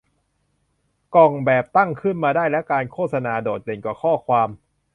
กล่องแบบตั้งขึ้นมาได้และการโฆษณาโดดเด่นกว่าข้อความ